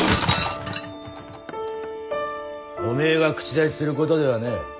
おめえが口出しすることではねえ。